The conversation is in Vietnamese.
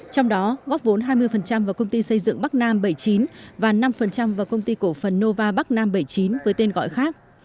trong đó góp vốn hai mươi vào công ty xây dựng bắc nam bảy mươi chín và năm vào công ty cổ phần nova bắc nam bảy mươi chín với tên gọi khác